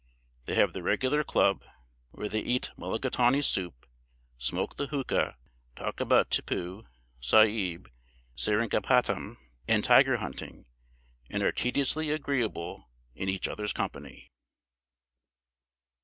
They have their regular club, where they eat Mulligatawney soup, smoke the hookah, talk about Tippoo Saib, Seringapatam, and tiger hunting; and are tediously agreeable in each other's company.